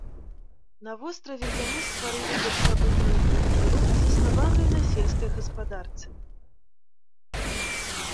На востраве яны стварылі першабытную культуру заснаваную на сельскай гаспадарцы.